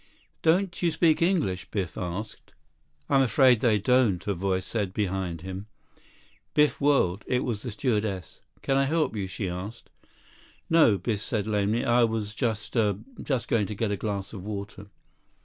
"Don't you speak English?" Biff asked. "I'm afraid they don't," a voice said behind him. Biff whirled. It was the stewardess. "Can I help you?" she asked. "No," Biff said lamely. "I was just—er—just going to get a glass of water."